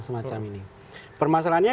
semacam ini permasalahannya